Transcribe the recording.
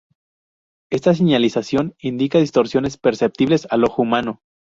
Esta señalización indica distorsiones perceptibles al ojo humano.